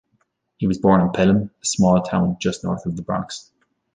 He was born in Pelham, a small town just north of the Bronx.